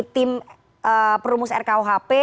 tim perumus rkuhp